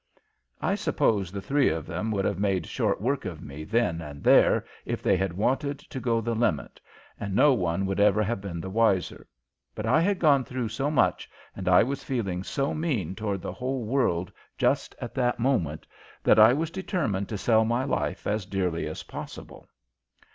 I suppose the three of them could have made short work of me then and there if they had wanted to go the limit, and no one would ever have been the wiser, but I had gone through so much and I was feeling so mean toward the whole world just at that moment that I was determined to sell my life as dearly as possible.